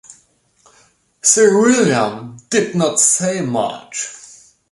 Sir William did not say much.